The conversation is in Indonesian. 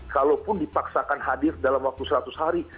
kalaupun dipaksakan hadir dalam waktu seratus hari